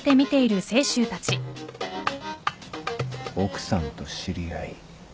奥さんと知り合い。